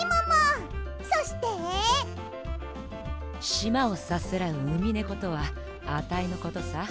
しまをさすらうウミネコとはアタイのことさ。